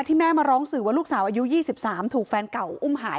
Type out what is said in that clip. แม่มาร้องสื่อว่าลูกสาวอายุ๒๓ถูกแฟนเก่าอุ้มหาย